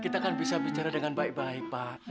kita kan bisa bicara dengan baik baik pak